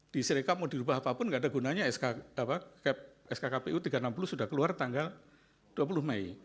diserekap mau dirubah apapun nggak ada gunanya skkpu tiga ratus enam puluh sudah keluar tanggal dua puluh mei